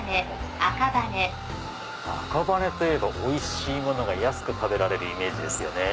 赤羽といえばおいしいものが安く食べられるイメージですよね。